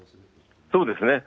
そうですね。